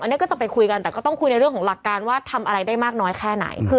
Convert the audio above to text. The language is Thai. อันนี้ก็จะไปคุยกันแต่ก็ต้องคุยในเรื่องของหลักการว่าทำอะไรได้มากน้อยแค่ไหน